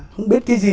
không biết cái gì